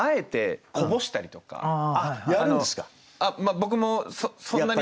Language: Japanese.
僕もそんなに。